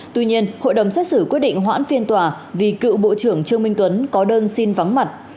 tuy nhiên hội đồng xét xử quyết định hoãn phiên tòa vì cựu bộ trưởng trương minh tuấn có đơn xin vắng mặt